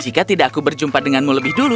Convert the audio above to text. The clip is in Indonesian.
jika tidak aku berjumpa denganmu lebih dulu